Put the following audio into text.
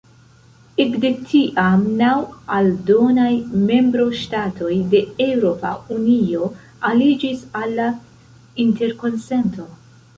Ekde tiam naŭ aldonaj membroŝtatoj de Eŭropa Unio aliĝis al la interkonsento.